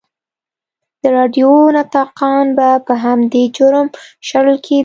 د راډیو نطاقان به په همدې جرم شړل کېدل.